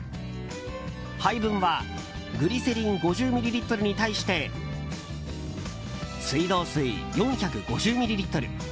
配分はグリセリン５０ミリリットルに対して水道水４５０ミリリットル。